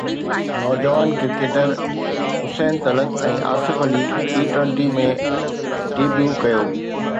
نوجوان cricketer Hussain Talat ۽ Asif Ali T twenty ۾ debut ڪيو